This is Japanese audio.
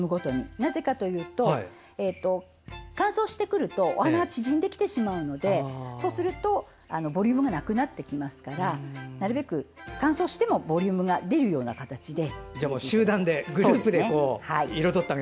なぜかというと乾燥してくるとお花が縮んできてしまうのでそうするとボリュームがなくなるので乾燥してもボリュームが出るような感じで。